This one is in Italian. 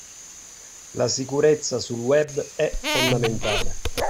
La sicurezza sul Web è fondamentale